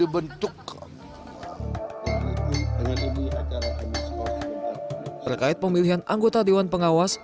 terkait pemilihan anggota dewan pengawas